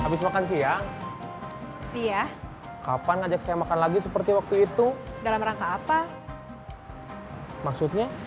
habis makan siang iya kapan ajak saya makan lagi seperti waktu itu dalam rangka apa maksudnya